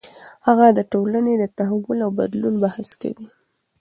هغه د ټولنې د تحول او بدلون بحث کوي.